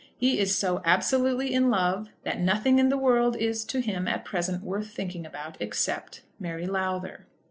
He is so absolutely in love that nothing in the world is, to him, at present worth thinking about except Mary Lowther.